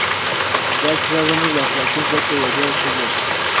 دا کیسه زموږ د اخلاقي زده کړو یوه ډېره ښه بېلګه ده.